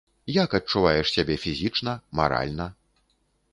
Як адчуваеш сябе фізічна, маральна?